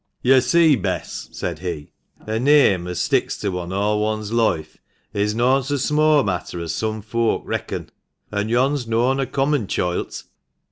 " Yo' see, Bess," said he, " a neame as sticks to one all one's loife, is noan so sma' a matter as some folk reckon. An' yon's noan a common choilt.